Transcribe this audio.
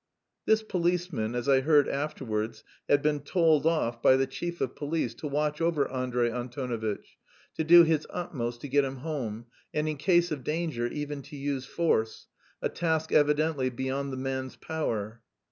This policeman, as I heard afterwards, had been told off by the chief of police to watch over Andrey Antonovitch, to do his utmost to get him home, and in case of danger even to use force a task evidently beyond the man's power.